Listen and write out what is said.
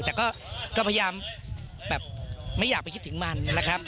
แต่ก็พยายามแบบไม่อยากไปคิดถึงมันนะครับ